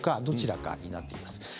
どちらかになってきます。